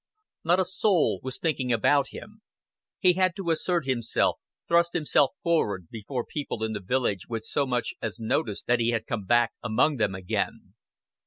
Not a soul was thinking about him. He had to assert himself, thrust himself forward, before people in the village would so much as notice that he had come back among them again.